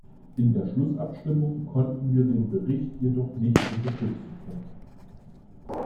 In der Schlussabstimmung konnten wir den Bericht jedoch nicht unterstützen.